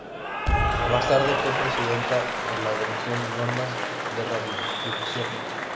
Más tarde fue Presidenta de la Comisión de Normas de Radiodifusión.